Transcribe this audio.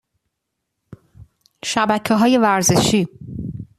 شبکه های ورزشی